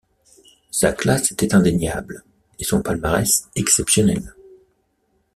Sa classe était indéniable et son palmarès exceptionnel.